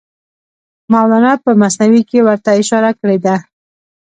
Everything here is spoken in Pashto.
مولانا په مثنوي کې ورته اشاره کړې ده.